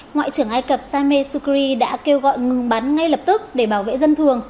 ngoại trưởng ai cập sameh sukri đã kêu gọi ngừng bắn ngay lập tức để bảo vệ dân thường